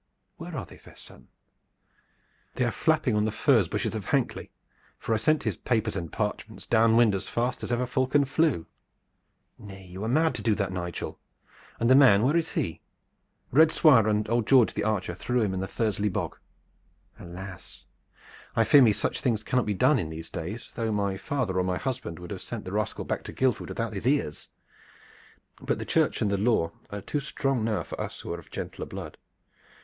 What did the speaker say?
"Where are they, fair son?" "They are flapping on the furze bushes of Hankley, for I sent his papers and parchments down wind as fast as ever falcon flew." "Nay! you were mad to do that, Nigel. And the man, where is he?" "Red Swire and old George the archer threw him into the Thursley bog." "Alas! I fear me such things cannot be done in these days, though my father or my husband would have sent the rascal back to Guildford without his ears. But the Church and the Law are too strong now for us who are of gentler blood.